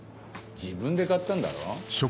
自分で買ったんだろ？